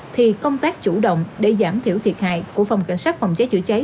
thì công tác chủ động để giảm thiểu thiệt hại của phòng cảnh sát phòng cháy chữa cháy